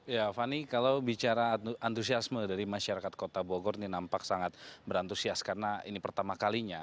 ya fani kalau bicara antusiasme dari masyarakat kota bogor ini nampak sangat berantusias karena ini pertama kalinya